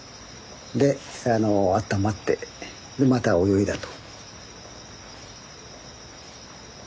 であったまってまた泳いだと。